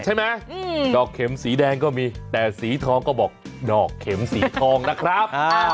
ใช่ไหมดอกเข็มสีแดงก็มีแต่สีทองก็บอกดอกเข็มสีทองนะครับ